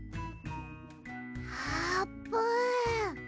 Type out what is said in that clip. あーぷん！